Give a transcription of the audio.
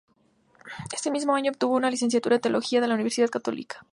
Ese mismo año obtuvo su Licenciatura en Teología en la Universidad Católica.